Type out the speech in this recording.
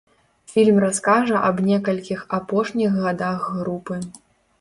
Фільм раскажа аб некалькіх апошніх гадах групы.